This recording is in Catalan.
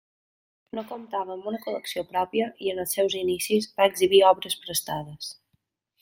No comptava amb una col·lecció pròpia, i en els seus inicis va exhibir obres prestades.